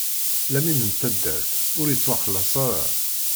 Lamin n taddart, ur ittwaxellaṣ ara.